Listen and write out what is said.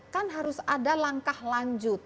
kan harus ada langkah lanjut